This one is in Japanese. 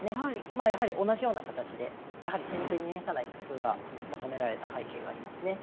まあやはり同じような形でやはり先手にねかなり工夫が求められた背景がありますね。